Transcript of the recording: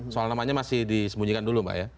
soal namanya masih disembunyikan dulu mbak ya